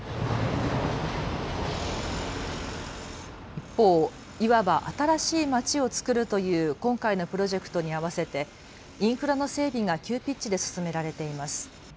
一方、いわば新しいまちをつくるという今回のプロジェクトに合わせてインフラの整備が急ピッチで進められています。